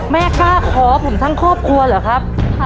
แม่กล้าขอผมทั้งครอบครัวเหรอครับ